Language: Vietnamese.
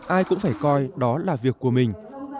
ai cũng phải coi đó là việc của mình